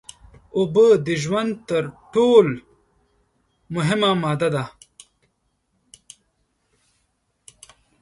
اوبه د ژوند تر ټول مهمه ماده ده